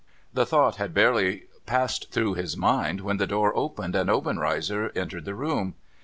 The thought had barely passed through his mind, when the door opened, and Obenreizer entered the room.